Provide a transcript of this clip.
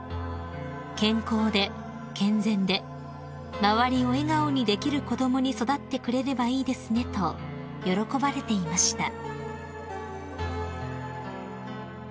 ［「健康で健全で周りを笑顔にできる子供に育ってくれればいいですね」と喜ばれていました］